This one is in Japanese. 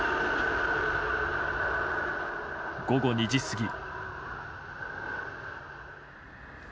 午後２時過ぎ。